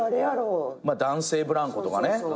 男性ブランコとかね。